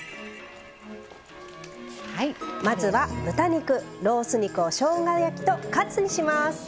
まずは豚肉、ロース肉をしょうが焼きとカツにします。